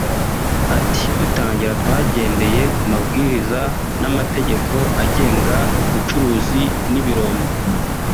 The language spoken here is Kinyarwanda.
Ati “Dutangira twagendeye ku mabwiriza n’amategeko agenga ubucukuzi n’ibirombe